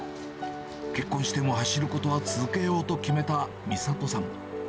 結婚しても走ることは続けようと決めた美里さん。